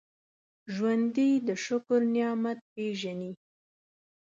ژوندي د شکر نعمت پېژني